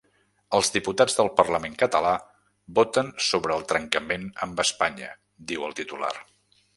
Els diputats del parlament català voten sobre el trencament amb Espanya, diu el titular.